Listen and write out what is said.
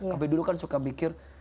sampai dulu kan suka mikir